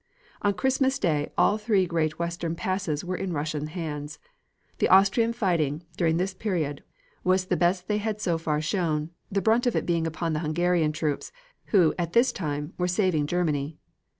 On Christmas Day all three great western passes were in Russian hands. The Austrian fighting, during this period, was the best they had so far shown, the brunt of it being upon the Hungarian troops, who, at this time, were saving Germany.